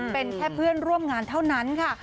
เป็นแค่เพื่อนร่วมงานเท่านั้นค่ะ